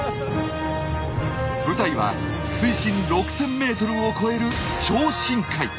舞台は水深６０００ｍを超える「超深海」。